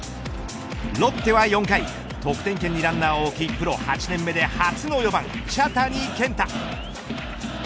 ロッテは４回得点圏にランナーを置きプロ８年目で初の４番茶谷健太。